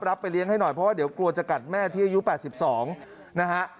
ไปเลี้ยงให้หน่อยเพราะว่าเดี๋ยวกลัวจะกัดแม่ที่อายุ๘๒นะฮะ